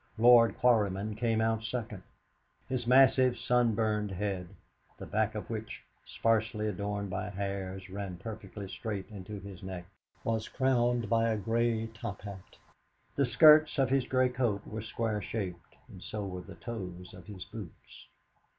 Lord Quarryman came out second. His massive sun burned head the back of which, sparsely adorned by hairs, ran perfectly straight into his neck was crowned by a grey top hat. The skirts of his grey coat were square shaped, and so were the toes of his boots.